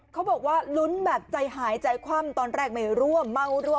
เขาบอกว่าลุ้นแบบใจหายใจคว่ำตอนแรกไม่ร่วมเมารั่